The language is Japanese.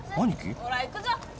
ほら行くぞ。